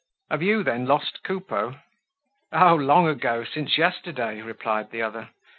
"Have you, then, lost Coupeau?" "Oh! long ago, since yesterday," replied the other.